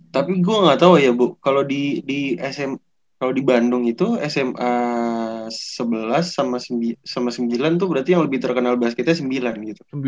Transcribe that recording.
tapi gue gak tau ya bu kalau di bandung itu sma sebelas sama sembilan tuh berarti yang lebih terkenal basketnya sembilan gitu